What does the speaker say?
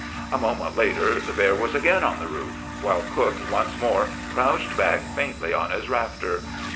A moment later the bear was again on the roof, while cook once more crouched back faintly on his rafter.